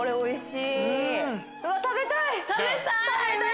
おいしい。